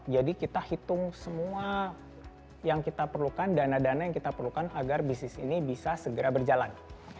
jadi kita hitung semua yang kita perlukan dana dana yang kita perlukan agar bisnis ini bisa segera berjalan